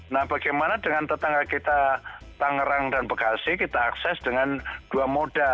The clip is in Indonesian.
nah bagaimana dengan tetangga kita tangerang dan bekasi kita akses dengan dua moda